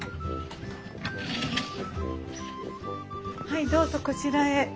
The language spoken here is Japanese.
はいどうぞこちらへ。